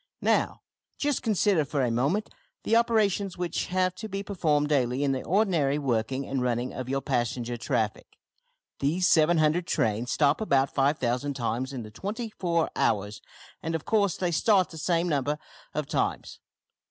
Now, just consider for a moment the operations which have to be performed daily in the ordinary working and running of your passenger traffic. These 700 trains stop about 5000 times in the twenty four hours, and of course they start the same number of times.